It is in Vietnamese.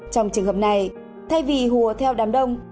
trong trường hợp này thay vì hùa theo đám đông